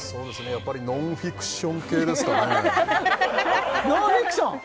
やっぱりノンフィクション系ですかねノンフィクション！？